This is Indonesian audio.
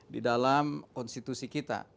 di dalam konstitusi kita